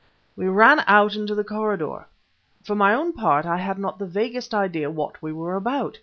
We ran out into the corridor. For my own part I had not the vaguest idea what we were about.